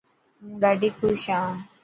هون ڏاڌي خوش هان.